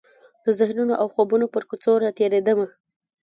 د ذهنونو او خوبونو پر کوڅو راتیریدمه